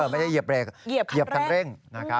ไม่ใช่เหยียบเร่งเหยียบขันเร่ง